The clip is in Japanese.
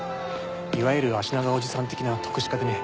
いわゆるあしながおじさん的な篤志家でね